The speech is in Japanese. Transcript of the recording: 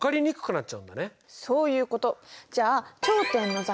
そういうこと。